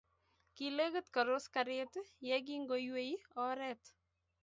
Kilegiit korus gariit ye kingooiyei oret.